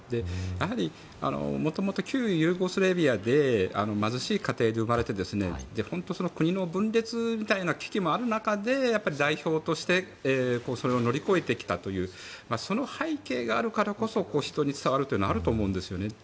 やはり元々旧ユーゴスラビアで貧しい家庭で生まれて国の分裂みたいな危機もある中で代表としてそれを乗り越えてきたというその背景があるからこそこう人に伝わるというのがあると思うんです。